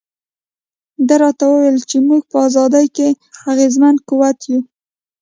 ده راته وویل چې موږ په ازادۍ کې اغېزمن قوت یو.